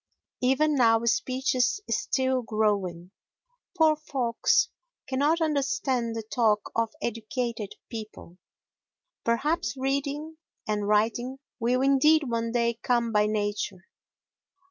Even now speech is still growing; poor folks cannot understand the talk of educated people. Perhaps reading and writing will indeed one day come by nature.